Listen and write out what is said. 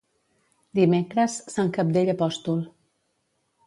Dimecres, sant Cabdell apòstol.